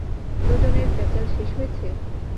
দুজনের প্যাচাল শেষ হয়েছে?